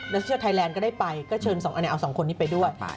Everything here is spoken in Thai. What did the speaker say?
รัฟฟิเชียลไทยแลนด์ก็ได้ไปก็เชิญเอาสองคนนี้ไปด้วย